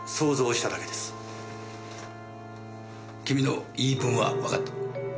君の言い分はわかった。